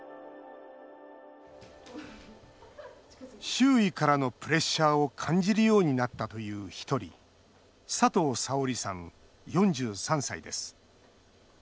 周囲からのプレッシャーを感じるようになったという一人佐藤沙織さん、４３歳です。